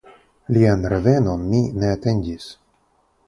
Lian revenon mi ne atendis.